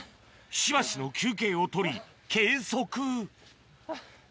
しばしの休憩を取り計測